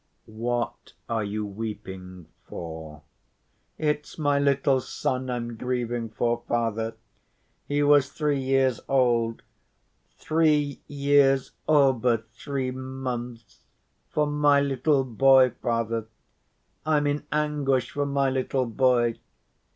"What are you weeping for?" "It's my little son I'm grieving for, Father. He was three years old—three years all but three months. For my little boy, Father, I'm in anguish, for my little boy.